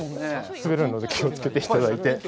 滑るので、気をつけていただいて。